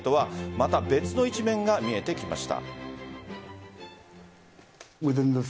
また別の一面が見えてきました。